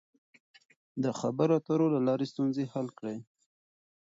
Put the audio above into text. د خبرو اترو له لارې ستونزې حل کړئ.